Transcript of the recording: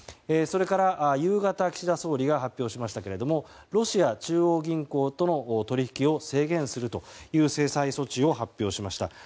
それから夕方、岸田総理が発表しましたがロシア中央銀行との取引を制限するという制裁措置を発表しました。